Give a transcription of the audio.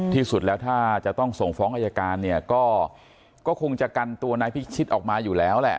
ที่สุดแล้วถ้าจะต้องส่งฟ้องอายการเนี่ยก็คงจะกันตัวนายพิชิตออกมาอยู่แล้วแหละ